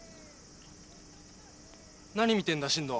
何見てんだ進藤。